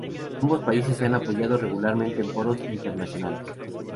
Ambos países se han apoyado regularmente en foros internacionales.